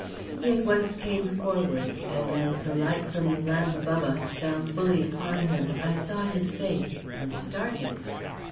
He at once came forward, and as the light from the lamp above us fell fully upon him, I saw his face, and started.